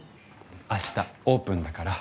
明日オープンだから。